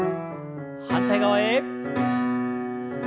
反対側へ。